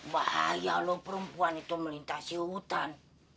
bahaya lho perempuan itu melintasi hutan